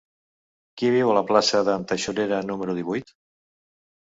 Qui viu a la plaça d'en Taxonera número divuit?